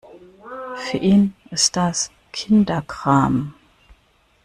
Für ihn ist das Kinderkram.